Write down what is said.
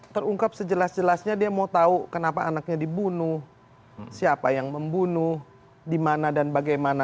terungkap sejelas jelasnya dia mau tahu kenapa anaknya dibunuh siapa yang membunuh di mana dan bagaimana